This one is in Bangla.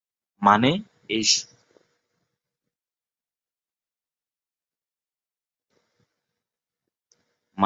মানে, এই সব লোক যারা বিদায় বলেছে।